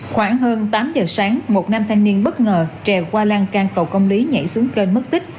khoảng hơn tám giờ sáng một nam thanh niên bất ngờ trèo qua lan can cầu công lý nhảy xuống kênh mất tích